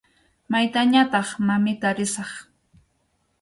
Maytañataq, mamita, risaq.